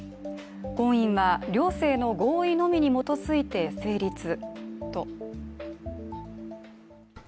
婚姻は両性の合意のみに基づいて成立と。